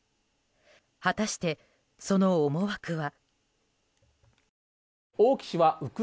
果たして、その思惑は。